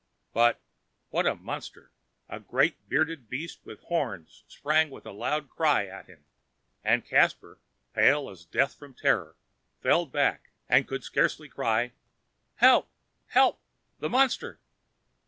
But—what a monster!—a great bearded beast with horns sprang with a loud cry at him; and Caspar, pale as death from terror, fell back, and could scarcely cry: "Help! help!—the monster!"